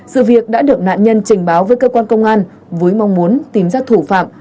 sự việc đã được nạn nhân trình báo với cơ quan công an với mong muốn tìm ra thủ phạm